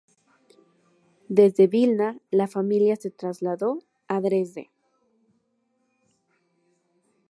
Desde Vilna la familia se trasladó a Dresde.